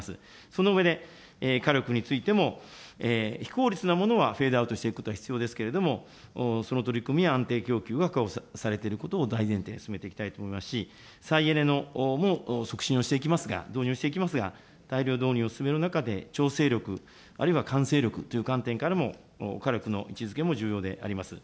その上で、火力についても、非効率なものはフェードアウトしていくことは必要ですけれども、その取り組みは安定供給が大前提で進めていきたいと思いますし、再エネも促進をしていきますが、導入していきますが、再エネを進める中で、調整力、あるいは慣性力という観点からも火力の位置づけも重要であります。